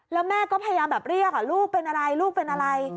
แล้วแม่ก็พยายามแบบเรียกลูกเป็นอะไรลูกเป็นอะไร